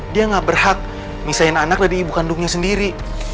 dia nggak berhak nisahin anak dari ibu kandungnya sendiri